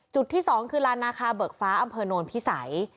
จุดที่๒คือลานนาคาเบิกฟ้าอำเภอโนนพิสัย